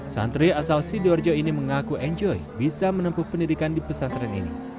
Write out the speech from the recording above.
santri asal sidoarjo ini mengaku enjoy bisa menempuh pendidikan di pesantren ini